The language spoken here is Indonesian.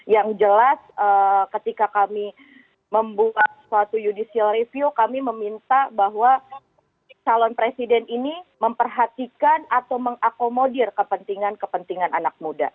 yang jelas ketika kami membuat suatu judicial review kami meminta bahwa calon presiden ini memperhatikan atau mengakomodir kepentingan kepentingan anak muda